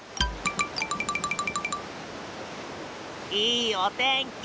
いいおてんき。